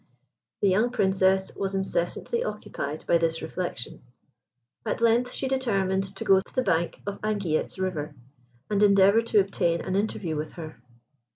The young Princess was incessantly occupied by this reflection. At length she determined to go to the bank of Anguilette's river, and endeavour to obtain an interview with her.